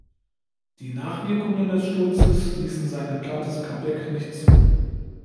Die Nachwirkungen des Sturzes ließen sein geplantes Comeback nicht zu.